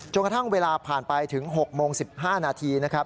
กระทั่งเวลาผ่านไปถึง๖โมง๑๕นาทีนะครับ